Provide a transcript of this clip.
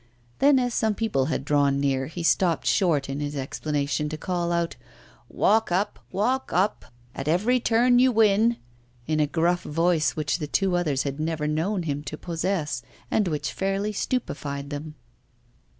Then, as some people had drawn near, he stopped short in his explanation to call out: 'Walk up, walk up, at every turn you win!' in a gruff voice which the two others had never known him to possess, and which fairly stupefied them.